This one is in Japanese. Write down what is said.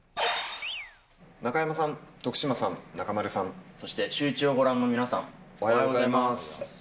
中山さん、徳島さん、中丸さそしてシューイチをご覧の皆おはようございます。